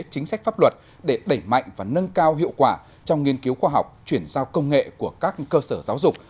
chính sách pháp luật để đẩy mạnh và nâng cao hiệu quả trong nghiên cứu khoa học chuyển giao công nghệ của các cơ sở giáo dục